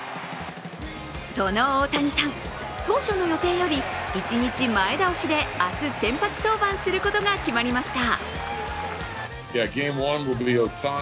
その大谷さん、当初の予定より１日前倒しで明日先発登板することが決まりました。